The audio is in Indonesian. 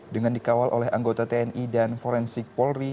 dengan dikawal oleh anggota tni dan forensik polri